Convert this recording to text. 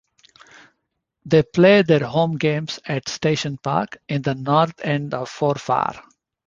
They play their home games at Station Park, in the north end of Forfar.